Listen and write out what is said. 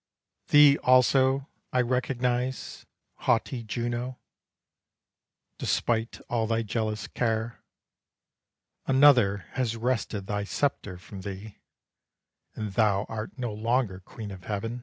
Thee also, I recognize, haughty Juno; Despite all thy jealous care, Another has wrested thy sceptre from thee, And thou art no longer Queen of Heaven.